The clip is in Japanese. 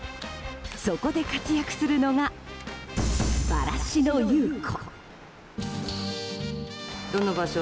そこで活躍するのがバラシの裕子。